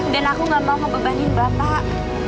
dan aku gak mau ngebebanin bapak